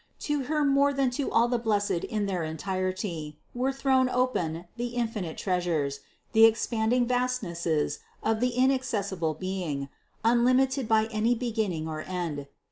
To Her more than to all the blessed in their entirety were thrown open the infinite treasures, the expanding vastnesses of that inaccessible Being, unlimited by any beginning or end.